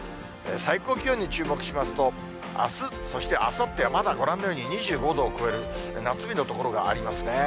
最高気温に注目しますと、あす、そしてあさっては、まだご覧のように２５度を超える夏日の所がありますね。